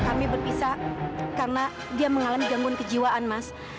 kami berpisah karena dia mengalami gangguan kejiwaan mas